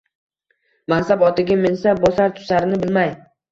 mansab otiga minsa, bosar-tusarini bilmay